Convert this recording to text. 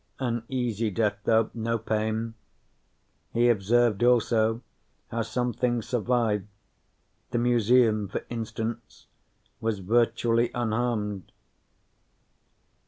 An easy death, though no pain. He observed also how some things survive. The Museum, for instance, was virtually unharmed.